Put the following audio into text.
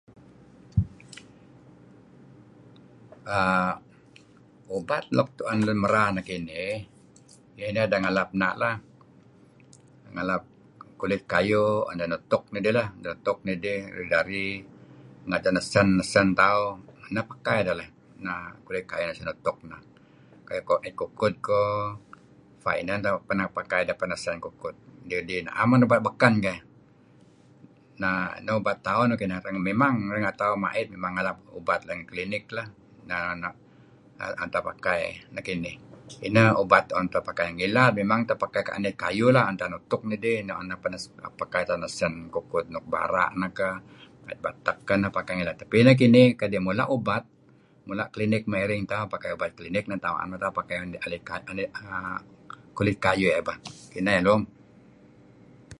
err utak luk tu'en lun merar nekinih eh, neh nideh ngalap na' lah, ngalap kulit kayuh en deh nutuk nidih lah dari-dari, neh nideh nesen-nesan tauh, nehn pakai deh leh, kulit kayuh senutuk. kukud koh, neh pakai neh [unintelligible] kukud , na'em men ubat beken keh neh ubat tauh nuk inah. Memang renga' tauh mait ngalap ubat let ngi klinik lah, neh tu'en tauh pakai nekinih. Ngilad memang tauh pakai kulit kayuh lah tu'en tauh nutuk nidih pakai tauh nesen luun kukud nuk bara', mait batek. Kadi' nekinih mula' klinik maya' iring tauh, na'em neto' tauh pakai ubat kulit kayuh. Kinahiyeh lum.